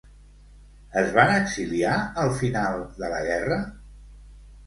Es van exiliar al final de la guerra?